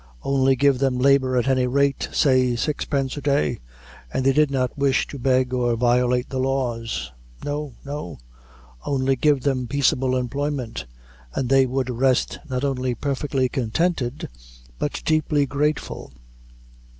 Only give them labor at any rate say sixpence a day and they did not wish to beg or violate the laws. No, no; only give them peaceable employment, and they would rest not only perfectly contented, but deeply grateful.